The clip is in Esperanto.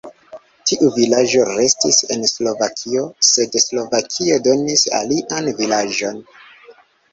Tiu vilaĝo restis en Slovakio, sed Slovakio donis alian vilaĝon.